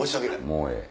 もうええ。